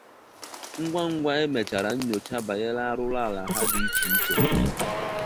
ngwangwa e mechara nnyocha banyere arụrụala ha dị iche iche